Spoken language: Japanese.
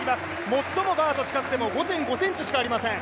最もバーと近くても５．５ｃｍしかありません。